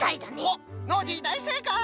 おっノージーだいせいかい！